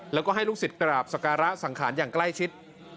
แล้วก็ให้ลูกศิษย์กราบสการะสังขารอย่างใกล้ชิด